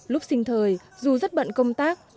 lúc sinh thời dù rất bận công tác